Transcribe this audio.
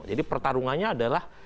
jadi pertarungannya adalah